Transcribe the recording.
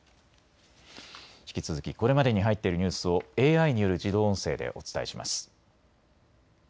引き続きこれまでに入っているニュースをＡＩによる自動音声でお伝えします。